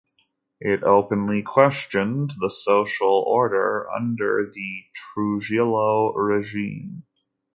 It openly questioned the social order under the Trujillo regime.